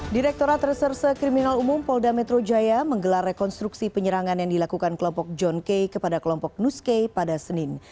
direkturat reserse kriminal umum polda metro jaya menggelar rekonstruksi penyerangan yang dilakukan kelompok john k kepada kelompok nus kay pada senin